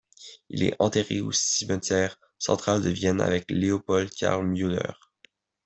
Il est enterré au cimetière central de Vienne avec Leopold Carl Müller.